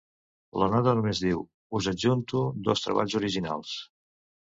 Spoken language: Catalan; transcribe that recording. La nota només diu: «Us adjunto dos treballs originals.